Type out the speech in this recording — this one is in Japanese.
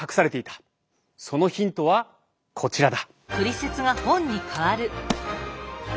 そのヒントはこちらだ。